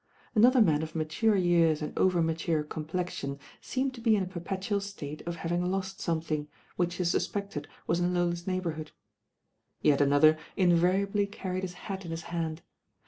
Another man of mature years and over miture compIe»on seemed to be in a perpetual state of bavmg lost something, which he suspected was in Lola 8 neighbourhood. Yet another invariably car ried his hat m his hand.